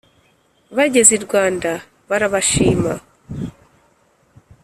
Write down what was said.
bageze i rwanda barabashima